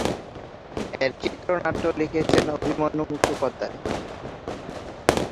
এর চিত্রনাট্য লিখেছেন অভিমন্যু মুখোপাধ্যায়।